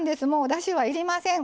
だしはいりません。